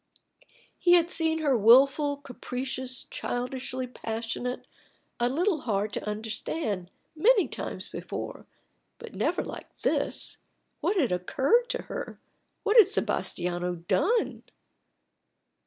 He had seen her wilful, capricious, childishly passionate, a little hard to understand, many times before, but never like this. What had occurred to her? What had Sebastiano done?